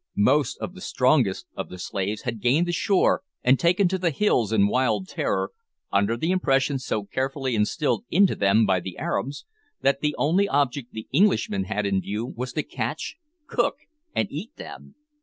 Most of the strongest of the slaves had gained the shore and taken to the hills in wild terror, under the impression so carefully instilled into them by the Arabs, that the only object the Englishmen had in view was to catch, cook, and eat them!